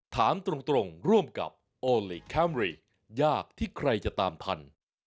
ถามตรงร่วมกับโอลี่คัมรี่ยากที่ใครจะตามทัน